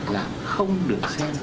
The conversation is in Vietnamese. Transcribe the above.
là không được xem